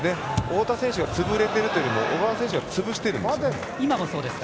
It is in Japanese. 太田選手が潰れているというよりも小川選手が潰してるんです。